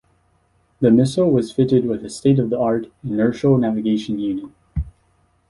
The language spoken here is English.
The missile was fitted with a state-of-the-art inertial navigation unit.